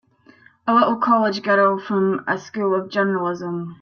A little college girl from a School of Journalism!